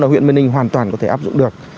huyện mê linh hoàn toàn có thể áp dụng được